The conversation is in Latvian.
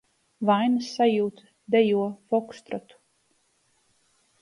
Vainas sajūta dejo fokstrotu...